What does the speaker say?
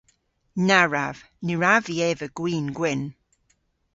Na wrav. Ny wrav vy eva gwin gwynn.